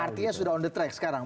artinya sudah on the track sekarang